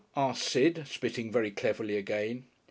asked Sid, spitting very cleverly again.